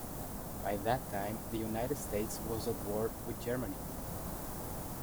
By that time the United States was at war with Germany.